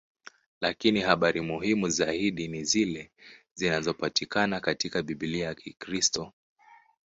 Lakini habari muhimu zaidi ni zile zinazopatikana katika Biblia ya Kikristo.